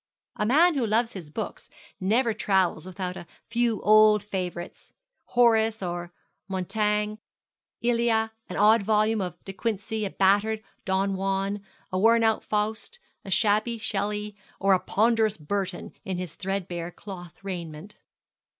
A man who loves his books never travels without a few old favourites Horace or Montaigne, Elia, an odd volume of De Quincey, a battered Don Juan, a worn out Faust, a shabby Shelley, or a ponderous Burton in his threadbare cloth raiment.